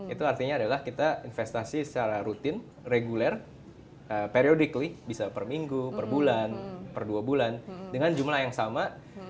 itu artinya adalah kita investasi secara rutin reguler periodically bisa per minggu per bulan per dua bulan dengan jumlah yang sama